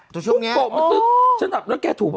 ตอนช่วงนี้โอ้โฮปุ๊บปุ๊บปุ๊บปุ๊บฉันหลับแล้วแกถูก